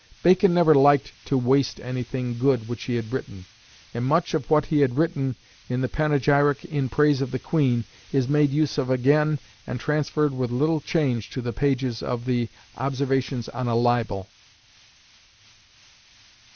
Bacon never liked to waste anything good which he had written; and much of what he had written in the panegyric in Praise of the Queen is made use of again, and transferred with little change to the pages of the Observations on a Libel.